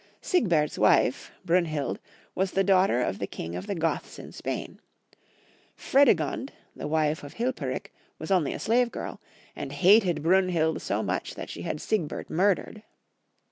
Siegbert's wife, Brunhild, was the daughter of the king of the Goths in Spain ; Frede gond, the wife of Hilperik, was only a slave girl, and hated Brunhild so much that she had Siegbert murdered.